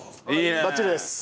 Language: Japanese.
バッチリです。